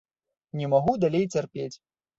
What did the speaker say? Не магу далей цярпець.